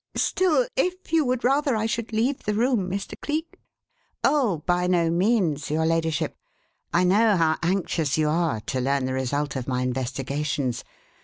Still, if you would rather I should leave the room, Mr. Cleek " "Oh, by no means, your ladyship. I know how anxious you are to learn the result of my investigations.